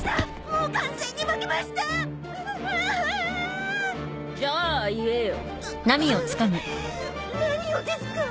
うう何をですか？